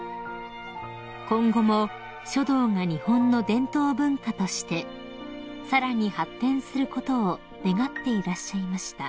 ［今後も書道が日本の伝統文化としてさらに発展することを願っていらっしゃいました］